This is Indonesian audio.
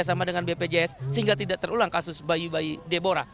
sama dengan bpjs sehingga tidak terulang kasus bayi bayi debora